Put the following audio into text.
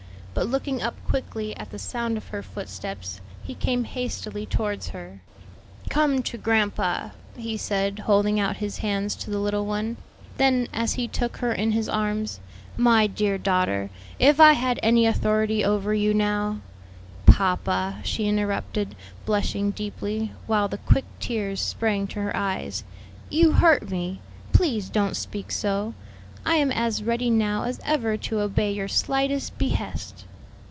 But looking up quickly at the sound of her footsteps he came hastily towards her. "Come to grandpa," he said, holding out his hands to the little one; then as he took her in his arms, "My dear daughter, if I had any authority over you now " "Papa," she interrupted, blushing deeply, while the quick tears sprang to her eyes, "you hurt me! Please don't speak so. I am as ready now as ever to obey your slightest behest."